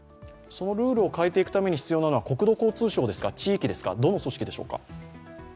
そのルールを変えていくために必要なのは国土交通省ですか、地域ですか、どの組織でしょうか？